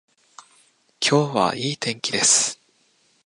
今日はいい天気です